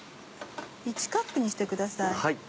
１カップにしてください。